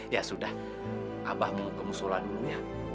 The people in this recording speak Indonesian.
ya sudah abang mau kemusulan dulu ya